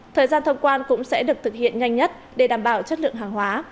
thời gian thông quan cũng sẽ được thực hiện nhanh nhất để đảm bảo chất lượng hàng hóa